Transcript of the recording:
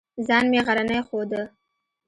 ځان مې غرنی ښوده.